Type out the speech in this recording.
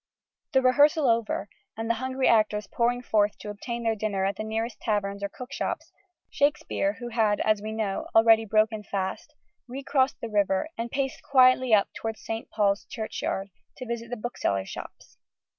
The rehearsal over, and the hungry actors pouring forth to obtain their dinner at the nearest taverns or cookshops, Shakespeare (who had, as we know, already broken fast) re crossed the river and paced quietly up towards St. Paul's Churchyard, to visit the booksellers' shops.